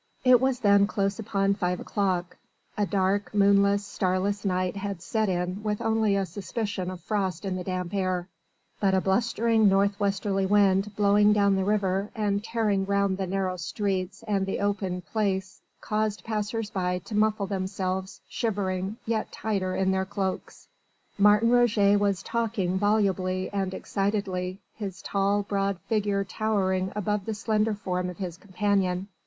It was then close upon five o'clock a dark, moonless, starless night had set in with only a suspicion of frost in the damp air; but a blustering north westerly wind blowing down the river and tearing round the narrow streets and the open Place, caused passers by to muffle themselves, shivering, yet tighter in their cloaks. Martin Roget was talking volubly and excitedly, his tall, broad figure towering above the slender form of his companion.